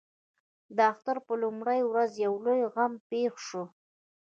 د اختر پر لومړۍ ورځ یو لوی غم پېښ شوی.